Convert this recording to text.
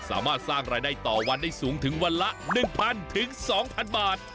สามารถสร้างรายได้ต่อวันได้สูงถึงวันละ๑๐๐๒๐๐บาท